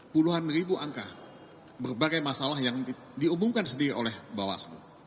puluhan ribu angka berbagai masalah yang diumumkan sendiri oleh bawaslu